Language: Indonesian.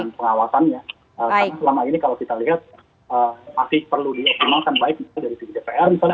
karena selama ini kalau kita lihat masih perlu dioptimalkan baik misalnya dari sisi dpr misalnya